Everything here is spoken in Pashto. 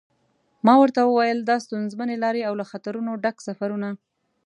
ما ورته و ویل دا ستونزمنې لارې او له خطرونو ډک سفرونه.